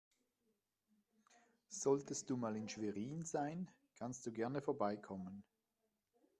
Solltest du mal in Schwerin sein, kannst du gerne vorbeikommen.